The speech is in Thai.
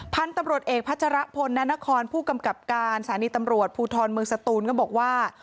พันธุ์ตำรวจเอกพัชรพลนานครผู้กำกับการสถานีตำรวจภูทรเมืองสตูนก็บอกว่า